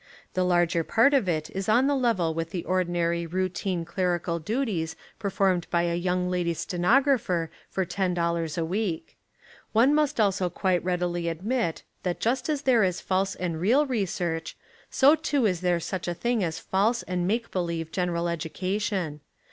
The larger part of it is on a level with the ordinary routine clerical duties performed by a young lady stenographer for ten dollars a week. One must also quite readily admit that just as there is false and real research, so too is there such a 83 Essays and Literary Studies thing as a false and make believe general educa tion.